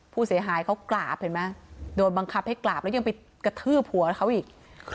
ผู้เสียหายเขากราบเห็นไหมโดนบังคับให้กราบแล้วยังไปกระทืบหัวเขาอีก